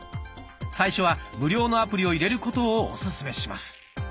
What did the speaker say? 最初は無料のアプリを入れることをオススメします。